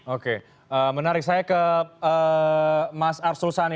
oke menarik saya ke mas arsul sani